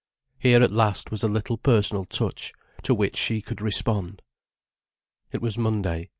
Here at last was a little personal touch, to which she could respond. It was Monday.